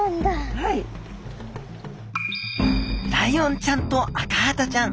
ライオンちゃんとアカハタちゃん